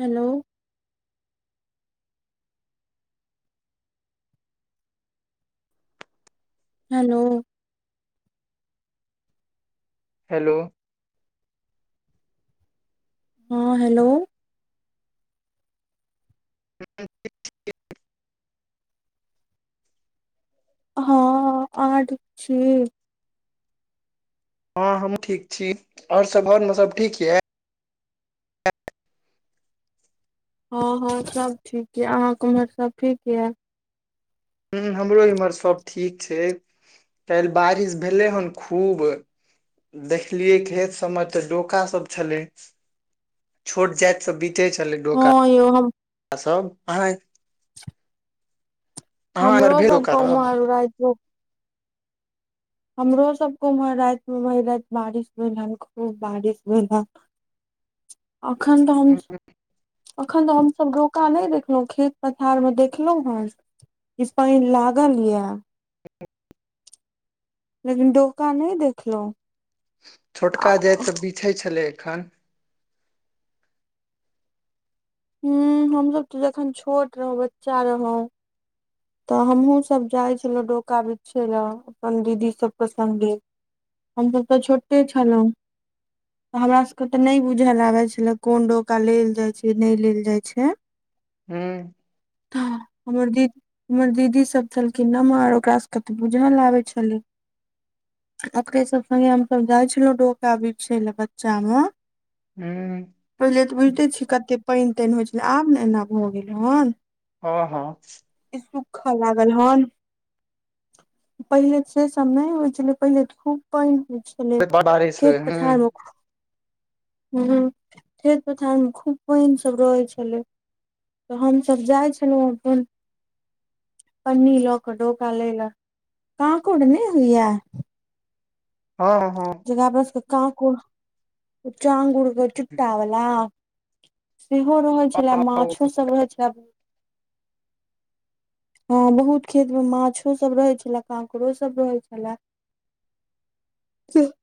Hello hello hello हँ hello ह [inaudible] हँ आहा ठीक छीये हँ हमूह ठीक छी और सब आर मे सब ठीक ये हँ हँ सब ठीक ये अहाके उम्हर सब ठीक ये ह हमरो इमहर सब ठीक छै काल बारिश भेले हन खूब देखलियै खेत सबमे तऽ डोका सब छलै छोट जाइत सब बीटे छलै डोका हँ यौ हम सब अह अहाँ एमहर हमरो भेल सब [unintelligible] डोका गाँव आर राजो हमरो सबके उमहर राति मे भरि रात बारिश भेल हन खूब बारिश भेल हन अखेन त हम अखन तऽ हमसभ डोका नहि देखलहुँं खेत पथार मे देखलहु हेँ इ पाइन लागल या हठ [inaudible] लेकिन डोका नहि देखलहु छोटका जात सब तऽ बीछे छलै हु हमसब त जखन छोट रहौ बच्चा रहौ तऽ हमहुँ सब जाइ छलहुँ डोका बिछे लए अपन दीदी सबके सँगे हम सब तऽ छोटे छलहुँ हमरा सब के तऽ नहि बुझल आबे छले कोन डोका लेल जाय छै नहि लेल जाय छै हूँ ह हमर दीद हमर दीदी सब छलखिन नमहर ओकास सबके तऽ बुझल आबै छलै ओकरे सब संगे हम सब जाइ छलहुँ डोका बिछय लय बच्चा म हूं पहिले तऽ बुझिते छी कते पानि तानि होइ छलै आब ने एना भऽ गेल हन हँ हँ इ सुूखऽ भ गेल हन पहिल से सम नहि होइ छले पहिल खूब पान होइ छै ओने बड़ बारिश होइ खेत ह पथार मे हूँ खेत पथार मे खूब पानि सब रहय छलै तऽ हमसभ जाइ छलहुँ तहन पन्नी ल क डोका लय ले काकूड़ नहि होय ये हँ हँ जेना पास काँकुड़ चांगुड़ म चुट्टा बला सेहो रहै छलै माछो सभ रहै छले हँ बहुत खेत मे माछो सब रहैत छलए कांकड़ो सब रहै छले [unintelligible]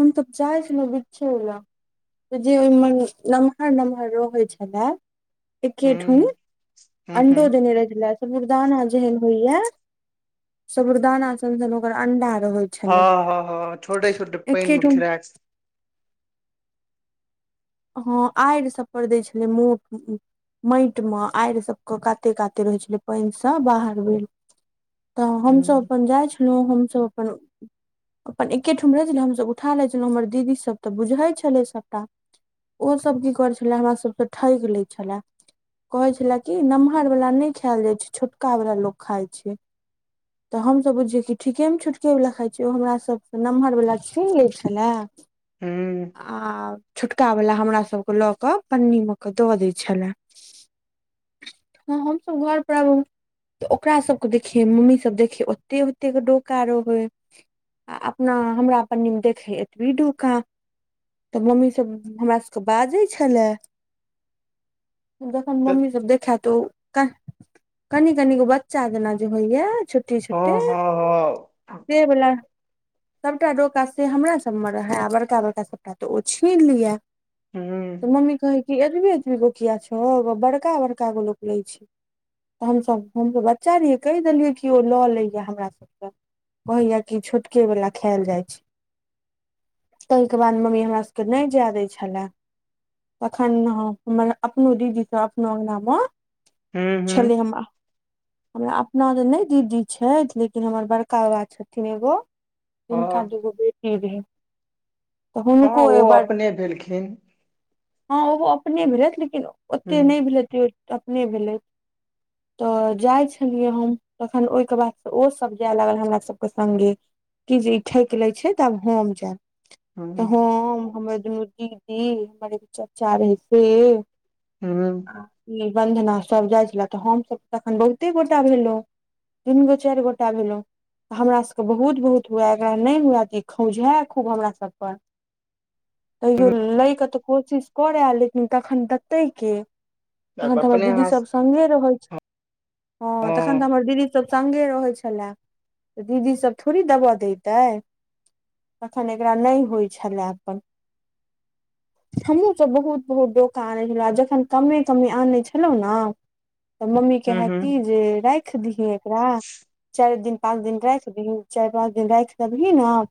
हम तब जाइ छल ने बिछय ले जे ओहिमे नमहर नमहर रहै छले हँ एकेठुमे हँ अंडो देने रहै छलैथ साबुुरदाना जेहेन होइया साबुरदाना सन सन ओकर अंडा रहे हँ छले हँ हँ छोटे छोटे पैन मे एकेठम गिरै हँ आड़ि सब पर दै छलै मोख [unintelligible] माटि मे आड़ि सबके काते काते रहै छलै पानि से बाहर भेल तऽ ह हमसभ अपन जाइ छलहुँ हम सभ अपन अपन एकेठम रहै छलो हमसभ उठा लै छलहुँ हमर दीदी सभ तऽ बुझै छलै सभटा ओसभ की करै छले हमरा सभसँ ठइक लै छले कहै छले कि नमहर वला नहि खेल जाइ छै छोटका वला लोक खाइ छै तऽ हमसभ बुझियै कि ठीकेमे छोटकेवला खाइ छियै ओ हमरा सब नमहरवला छीन लै छले हँ आ छोटकावला हमरा सभके लऽ कऽ पन्नीमे कऽ द दै छले हँ हमस घर पर आबू तऽ ओकरा सबके देखिये मम्मी सब देखिये ओते ओतेक डोका रहै आ अपना हमरा पन्नीमे देखे एतबी डोका तऽ मम्मी सब हमरा सभके बाजै छले जखन ह मम्मी सभ देखए त ओ कनि कनिगो बच्चा जेना जे होइया छोटे हँ छोटे हँ से वला सबटा डोका से हमरा सब मे रहे आ बड़का बड़का सबटा त ओ छीन लिये हँ हूँ तऽ मम्मी कहै कि एतबी एतबी गो किया छौ बड़का बड़का गो लोक लै छै तऽ हमसभ हमसभ बच्चा रहियै कहि देलियै कि ओ लऽ लै हमरा सभके कहै ये कि छोटके वाला खेयल जाइ छै तै के बाद मम्मी हमरा सबके नहि जे दै छै छलए तखन हमर अपनो दीदी सब अपनो अंगना मऽ हूँ [inaudible] छले हूँ हमरा [inaudible] हमरा अपना तऽ नहि दीदी छथि लेकिन हमर बड़का बाबा छथिन एगो [inaudible] हुनका हँ दुगो बेटी रहे [inaudible] हँ ओहो अपने भेलखिन हँ ओहो अपने भेलथि लेकिन हूँ ओतेक नहि भेलथि त्यों अपने भेलथि [inaudible] तऽ जाइ छलियै हम तखन ओहिके बाद ओ सब जाय लागल हमरा सबके संगे कि जे ई ठकि लै छै तऽ आब हम जायब तऽ हूँ हम हमर दुनू दीदी हमर एक चाचा रहे से [unintelligible] ई बंधना सब जाइ छले तऽ हम सभ त तखन बहुते गोटा भेलहु तीन गो चारि गोटा भेलो हमरा सबके बहुत बहुत हुए एकरा नहि हुए तऽ ई खौझै खूब हमरा सब पर तैयो हूँ लै कऽ तऽ कोशिश करय लेकिन तखन देतै के तखन तऽ हमर अपने दीदी हाथ सब संगे रहै छै [inaudible] हँ ह तखन तऽ हमर दीदी सब संगे रहैत छले तऽ दीदी सब थोड़ी दबा देैते तखन एकरा नहि होइत छलए अपन हमहूँ सभ बहुत बहुत डोका आनै छलहुँ आ जखन कमे कमे आनै छलहुँ नऽ तऽ मम्मी हूँ कहै कि हूँ जे राखि दही एकरा चारि दिन पाँच दिन राखि दबही चारि पाँच दिन राखि देबही नऽ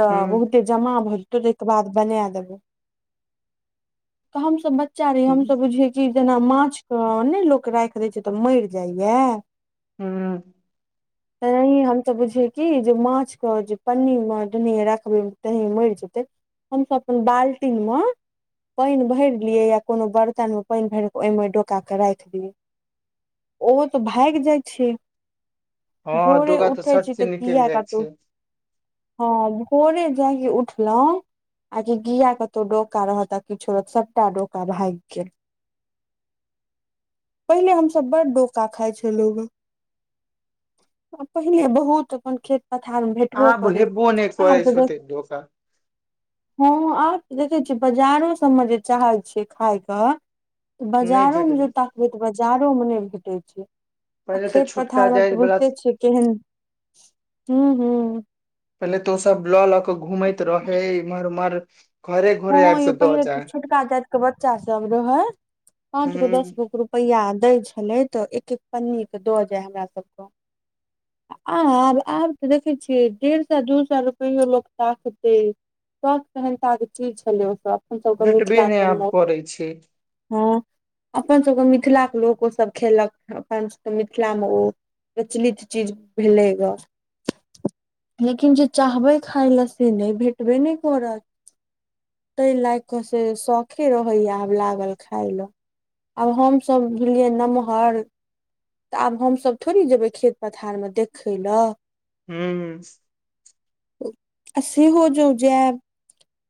तऽ हूँ बहुते जमा भ जेतो तय कऽ बाद बना देबो तऽ हम सब बच्चा रहिए हम सब बुझेये कि जेना माछ के नहि लोक राखि दै छै तऽ मरि जाइया हू तेनाहिय हम सब बुझियै कि जे माछके जे पन्नी मऽ जेनेहि राखबै तेना मरि जेतै हम सभ अपन बाल्टीिन मऽ पानि भरि लियै या कोनो बर्तन मऽ पानि भरि कऽ ओहिमे डोका कऽ राखि दियै ओ तऽ भागि जाइ छै [inaudible] हँ भोरे डोका उठे सट छी से तऽ निकलि किया जाइ कतहु छै हँ भोरे जाय कि उठलो आ कि किया कतौ डोका रहत आ कि छोड़त सभटा डोका भागि गेल पहिले हम सभ बड़ डोका खाय छलहु [inaudible] पहिने बहुत अपन खेत पथार मऽ भेटबो आब करी हेबो नहि आब करै तऽ छै देख ओते डोका हँ आब देखै छिय बाजारो सबमे जे चाहै छियै खाायकऽ नहि बाजारो भेटै मे जँ ताकबै तऽ बाजारो मऽ नहि भेटैत छै आ पहिले तऽ खेत छोटका पथार मऽ जाय तऽ वला बुझिते छियै केहन [inaudible] हू हू पहिले तऽ ओ सभ लऽ लऽ कऽ घूमैत रहे इम्हर उम्हर घरे आबि हँ यो कऽ दऽ पहिले त जाय छोटका जाति के बच्चा सब रहे पांच गो दस हूँ गो के रुप रुपैआ दै छलै तऽ एक एक पन्नी के दऽ जाय हमरा सबकऽ आ आब आब तऽ देखै छियै डेढ़ सए दू सए रुपै लोक ताकतै सख सहेनता के चीज छलै ओ सभ अपन सभ के भेटबे मिथिला नहि सभ आब मे करै छै हँ अपन सभके मिथिला के लोक ओ सभ खेलक अपन सभ के मिथिला मऽ ओ प्रचलित चीज भेलै ग लेकिन जे चाहबै खाय लए से नहि भेटबे नहि करत ताहि लाग कऽ से शौखे रहैया आब लागल खाय ल आब हम सभ भेलयै नमहर तऽ आब हमसभ थोड़ी जेबै खेत पथारमे देखय लऽ हू अऽ सेहो जे जायब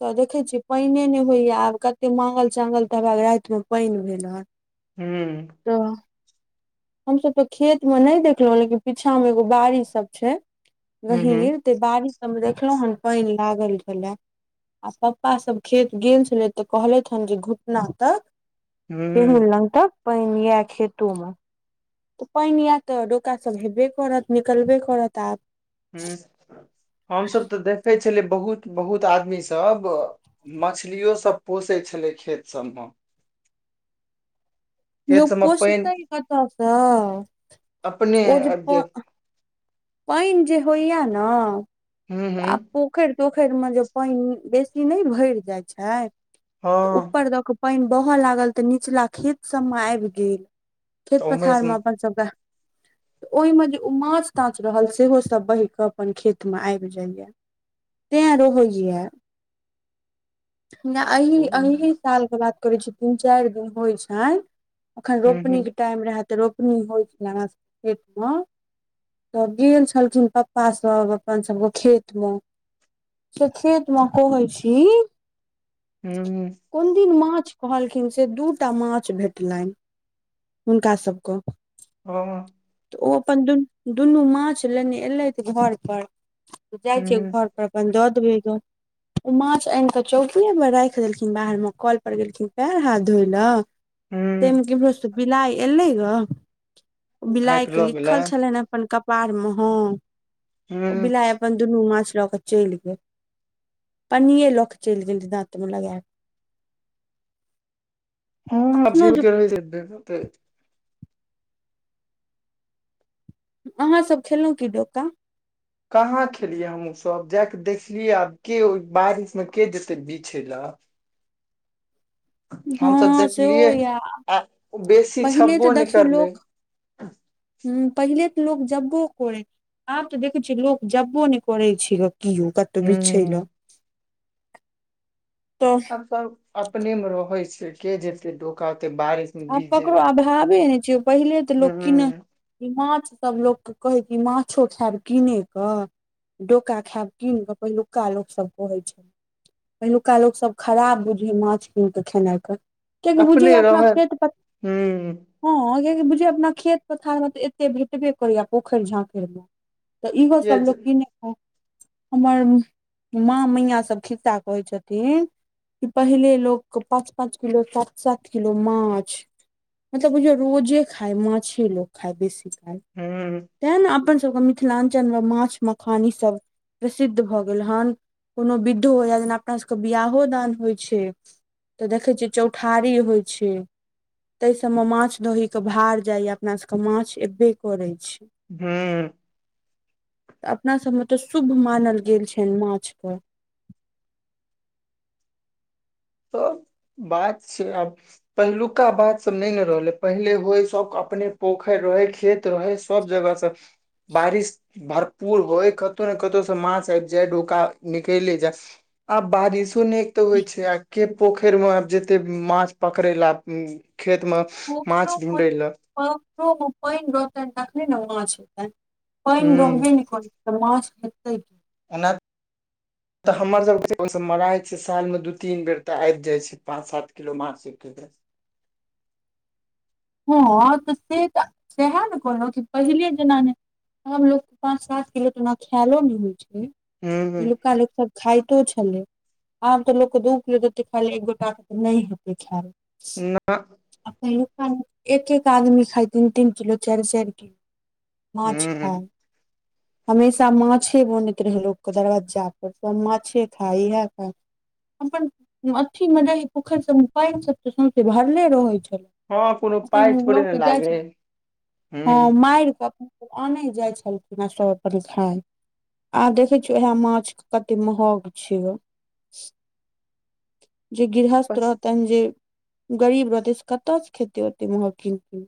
तऽ देखै छियै पानि नहि होइए आब कतेक माङ्गल चाङ्गल तऽ रातिमे पानि भेल हन हू [unintelligible] हमसभ तँ खेतमे नहि देखलहुँ लेकिन पीछामे एगो बाड़ीसभ छै हूँ रेहय हूँ गेल बारि सभमे देखलहुँ हँ पैनि लागल छलै आ पप्पा सब खेत गेल छलैथ तऽ कहलथि हन जे घुटना तक हूं ठेहुन हूं लग तक पैन अय खेतो मऽ तऽ पैन यए तऽ डोकासभ हेबे करत निकलबे करत आब हँ हमसभ तऽ देखै छलियै बहुत बहुत आदमी सभ मछलियो सभ पोषैत छलै खेत सभमऽ [inaudible] खेत लोक सबमे पानि पोसतै कतऽसँ अपने ओ तँ आबि जायत पैनि पैन जे होइए नऽ हूं हूं पोखरि तोखरिमे जे पानि बेसी नहि भरि जाइ छै तऽ हँ ऊपर दऽ कऽ पानि बहय लागल तऽ निचला खेत सब मऽ आबि गेल तऽ खेत उम्हरे पथार सँ में अपन सबके ओहि मे जे ओ माछ ताछ रहल सेहो सब बहिके अपन खेतमे आबि गेल बुझलियै तैं रहैय यऽ जे ए हूं एहिसालके बात करै छी तीन चारि दिन होइ छनि एखन हूं हूं रोपनीक टाइम रहै तऽ रोपनी होइत छल हमरा सभक खेतमे तऽ गेल छलखिन पप्पा सभ अपन सभ खेत मऽ से खेत मऽ कहैय छी हूं कोन दिन माछ कहलखिन से दू टा माछ भेटलनि हुनका सभकऽ [unintelligible] तऽ ओ अपन दुनू दुनू माछ लेने एलथि घर पर त जाइ छी घर पर अपन दऽ देबै गऽ ओ माछ आनि कऽ चौकियए पर राखि देलखिन बाहर मे कल पर गेलखिन पैर हाथ धोइ लेल हूं तैमे [unintelligible] बिलाइ एलै गऽ ओ उठा कऽ बिलाइके लऽ गेलै लिखल छलनि अपन कपारमऽ हँ ओ हूं बिलाइ अपन दुनू माछ लोके चलि गेल पनीये लऽ कऽ चलि गेल दाँतमे लगा कऽ कऽ अखनो जे [unintelligible] अहाँ सभ खेलहुं की डोका कहाँ खेलियै हमहुँ सभ जा कऽ देखलियै आब ओ बारिशमे के जेतै बिछै लऽ हमसभ हँ सेहो देखलियै होइए आ बेसी पहिने तऽ छबो नहि देखियौ करलै लोक हं पहिले तऽ लोक जब्बो करय आब तऽ देखै छियै लोक जब्बो नहि करै छै कतौ यौ बिछै ल हूँ तऽ सभ अपने मे रहै छै के जते डोका ओते बारिशमे आब ककरो अभाबे नै छै पहिले तऽ लोक कीनै हूँ ई माछसभ लोक कहै कि ई माछो खायब किनेकऽ डोका खायब कीन कऽ पहिलुका लोकसभ कहैय छै पहिलुका लोक सभ खराब बुझय माछ कीन कऽ खेनाइ के किएकी बुझे अपने अपना रहै खेत पथार हूँ हँ किएकि बुझे अपना खेत पथारमे तऽ एतबे भेटबे करया पोखैर झाखैर तऽ इहो के सब जे लोक कीने हमर माँ मैया सब खिस्सा कहै छथिन कि पहिले लोक क पाँच पाँच किलो सात सात किलो माछ मतलब बुझयो रोजे खाय माछे लोक खाय बेसी खाय हूँ तय ने अपन सभके मिथिलाञ्चलमे माछ मखान ईसभ प्रसिद्ध भऽ गेल हन कोनो विधो हो हई [unintelligible] अपना सबके बियाहो दान होइ छै तऽ देखै छियै चौठारी होइ छै तई सबमे माछ दही के भार जाइया अपना सबके माछ एबे करै छै हुॅं अपना सबमे तऽ शुभ मानल गेल छैन माछ क त बात छै आब पहिलुका बात सब नै न रहले पहिले होय सब अपने पोखरि रहे खेत रहै सब जगह सऽ बारिश भरपूर होय कतौ न कतौ स माछ आबि जाय डोका निकैले जाय आब बारिश ने तऽ होइ छै आब के पोखैरमे आब जेते माछ पकड़ै लए खेतमे पोखरो मे पइन रहते तखने न माछ पैइन हूं रहबे ने करे त माछ एतै ओना तऽ हमर सब के ओ सब मराय छै साल मे दू तीन बेर तऽ आइब जाय छै पांच सात किलो माछ [inaudible] हँ तऽ से तऽ सएहो ने कहलो पहिले जेना नै आब लोक के पाच सात किलो तऽ ओना खायलो नहि होइ छै हूं पहिलुका लोक सब खाइतो छलै आब तऽ लोकके दु किलो देते खाय ला एक गोटाके तऽ नै हेतै खायल नाऽ [unintelligible] एक एक आदमी खाय दु तीन तीन किलो चैर चैर किलो माछ हूं हूं खाय हमेशा माछे बनैत रहे लोकके दरवज्जा पर सब माछे खा इएह खाय अपन अथी मे दही पोखरि सबमे पइन सब तऽ सौंसे भरले रहै छलै हँ कोनो अपन पाइ थोड़े लोक ने के जाइ लागे छै हइ। ह हूं मार कऽ अनय जाए छलखिन सब अपन खाय आब देखै छियै इएह माछ कतेक महग छै जे गृहस्थ बस रहतैन जे गरीब रहतै से कतयसँ खेतै ओते महग किन क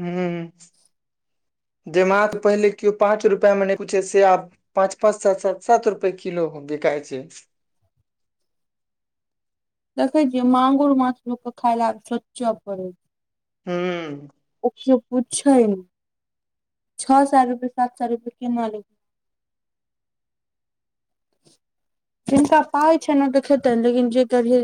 हुं जे माछ पहिले कियो पाँच रुपआ मे नै पुछे से आब पाँच पाँच सात सात सात रुपए किलो बिकाय छै देखे छिय मांगुर माछ के खाय ला सोचय पड़े छै हूॅं ओ कियो पुछै नए छ सए रुपए सात साए रुपए केना लेतय [inaudible] जिनका पाइ छै ने तऽ खेतै लेकिन जे करे